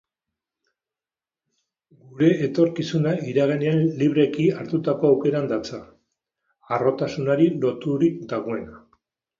Gure etorkizuna iraganean libreki hartutako aukeran datza, harrotasunari loturik dagoena.